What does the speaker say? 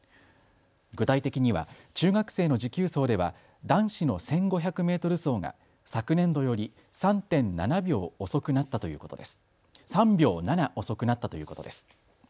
具体的には中学生の持久走では男子の１５００メートル走が昨年度より３秒７遅くなったということです。